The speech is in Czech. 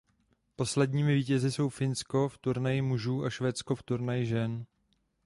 Posledními vítězi jsou Finsko v turnaji mužů a Švédsko v turnaji žen.